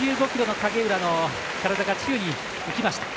１１５ｋｇの影浦の体が宙に浮きました。